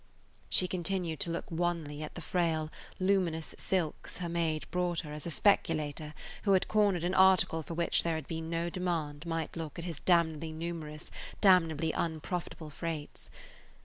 She continued to look wanly at the frail, luminous silks her maid brought her as a speculator who had cornered an article for which there had been no demand might look at his damnably numerous, damnably unprofitable freights.